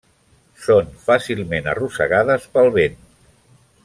Són fàcilment arrossegades pel vent.